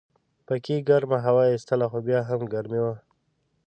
پکې ګرمه هوا ایستله خو بیا هم ګرمي وه.